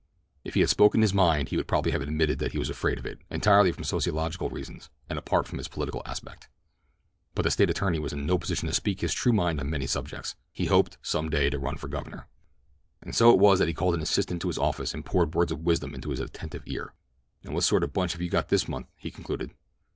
If he had spoken his mind he would probably have admitted that he was afraid of it, entirely from sociological reasons, and apart from its political aspect. But the State attorney was in no position to speak his true mind on many subjects—he hoped, some day, to run for Governor. And so it was that he called an assistant to his office and poured words of wisdom into his attentive ear. "And what sort of a bunch have you got this month?" he concluded.